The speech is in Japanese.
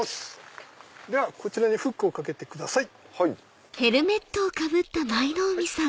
こちらにフックをかけてください。